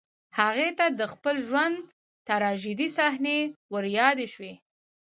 هغې ته د خپل ژوند تراژيدي صحنې وريادې شوې